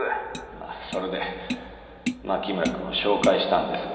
まあそれで牧村くんを紹介したんですが。